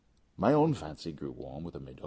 My own fancy grew warm with the Medoc.